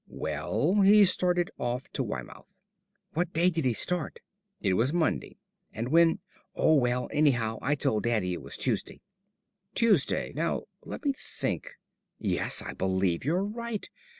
"Well, he started off to Weymouth." "What day did he start?" "It was Monday. And when " "Oh, well, anyhow, I told Daddy it was Tuesday." "Tuesday now let me think. Yes, I believe you're right.